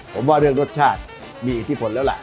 ผมว่าเรื่องรสชาติมีอิทธิพลแล้วล่ะ